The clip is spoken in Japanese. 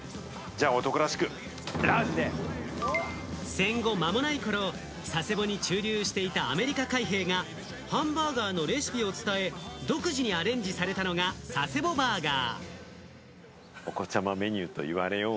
戦後まもない頃、佐世保に駐留していた、アメリカ海兵がハンバーガーのレシピを伝え、独自にアレンジされたのが佐世保バーガー。